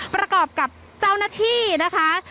ประกอบกับเจ้าหน้าที่นะคะ